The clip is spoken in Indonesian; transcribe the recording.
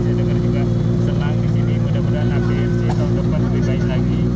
saya dengar juga senang disini mudah mudahan apmc tahun depan lebih baik lagi